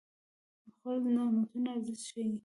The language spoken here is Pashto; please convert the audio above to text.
خوړل د نعمتونو ارزښت ښيي